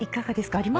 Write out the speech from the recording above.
ありますか？